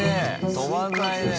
止まんないねぇ。